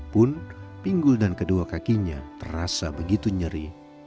pun pinggul dan kedua kakinya terasa begitu nyeri